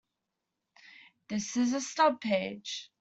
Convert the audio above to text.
This is a stub page.